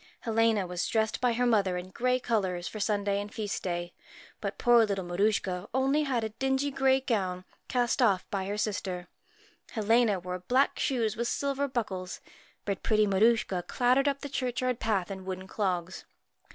USCHKA Helena was dressed by her mother in gay colours for Sunday and Feast day, but poor little Mar suchka had only a dingy grey gown, cast off by her sister. Helena wore black shoes with silver buckles, but pretty Maruschka clattered up the churchyard path in wooden clogs.